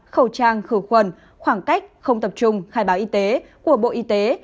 khẩu trang khử khuẩn khoảng cách không tập trung khai báo y tế của bộ y tế